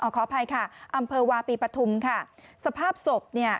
ขออภัยค่ะอำเภอวาปีปฐุมค่ะสภาพศพเนี่ย